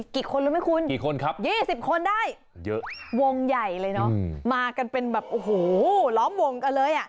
กี่คนรู้มั้ยคุณยี่สิบคนได้วงใหญ่เลยเนาะมากันเป็นแบบโอ้โหล้อมวงกันเลย